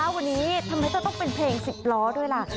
วันนี้ทำไมจะต้องเป็นเพลง๑๐ล้อด้วยล่ะ